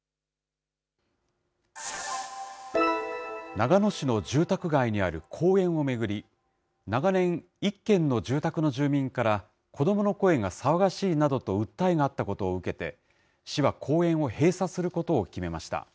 長野市の住宅街にある公園を巡り、長年、１軒の住宅の住民から、子どもの声が騒がしいなどと訴えがあったことを受けて、市は公園を閉鎖することを決めました。